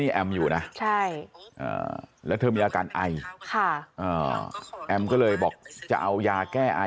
ในแอมอยู่นะใช่แล้วทำยาการไอแอมก็เลยบอกจะเอายาแก้ไอ